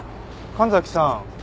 神崎さん。